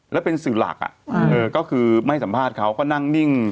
แล้วเป็นสื่อหลักก็คือไม่สัมภาษณ์เขาก็นั่งนิ่ง